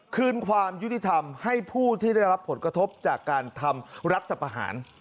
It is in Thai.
คืนความยุติธรรมให้ผู้ที่ได้รับผลกระทบจากการทำรัฐประหาร